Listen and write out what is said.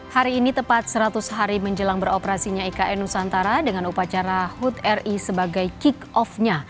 hari ini tepat seratus hari menjelang beroperasinya ikn nusantara dengan upacara hud ri sebagai kick off nya